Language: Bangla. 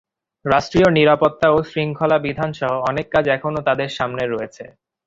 রাষ্ট্রীয় নিরাপত্তা ও শৃঙ্খলা বিধানসহ অনেক কাজ এখনও তাদের সামনে রয়েছে।